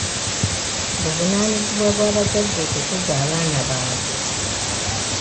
Buvunaanyizibwa bwa bazadde okukuza abaana baabwe.